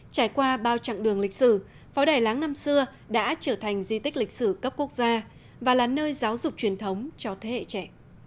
trải qua bao chặng đường lịch sử pháo đài láng năm xưa đã trở thành di tích lịch sử cấp quốc gia và là nơi giáo dục truyền thống cho thế hệ trẻ